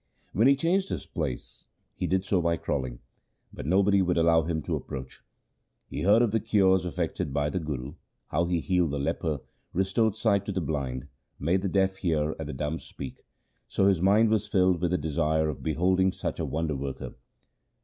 When he changed his place, he did so by crawling ; but nobody would allow him to approach. He heard of the cures effected by the Guru — how he healed the leper, restored sight to the blind, made the deaf hear, and the dumb speak — so his mind was filled with the desire of beholding such a wonder worker.